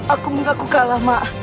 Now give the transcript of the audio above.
aku mengaku kalah ma